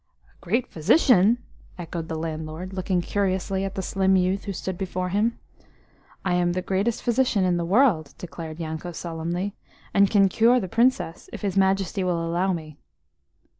"A great physician?" echoed the landlord, looking curiously at the slim youth who stood before him. "I am the greatest physician in the world," declared Yanko solemnly, "and can cure the Princess if his Majesty will allow me."